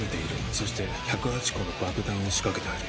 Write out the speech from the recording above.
そして１０８個の爆弾を仕掛けてある。